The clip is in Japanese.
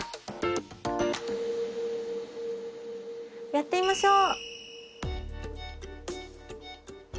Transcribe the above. やってみましょう。